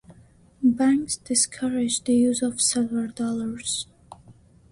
Banks discouraged the use of silver dollars.